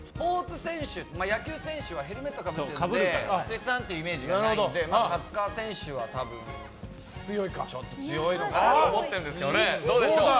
野球選手はヘルメットをかぶるので七三っていうイメージがないのでサッカー選手はちょっと強いのかなと思ってるんですけどね。